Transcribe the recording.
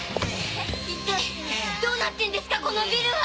一体どうなってんですかこのビルは！